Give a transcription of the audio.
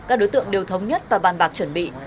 các đối tượng đều thống nhất và bàn bạc chuẩn bị